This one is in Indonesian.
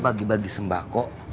bang ajan ajan bang